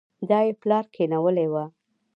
دا يې پلار کېنولې وه.